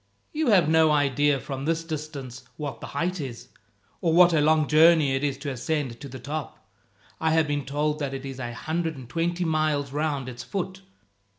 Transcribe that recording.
"You have no idea from this distance what the height is, or what a long journey it is to ascend to the top. I have been told that it is a hundred and twenty miles round its foot."